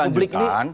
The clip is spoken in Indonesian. supaya publik ini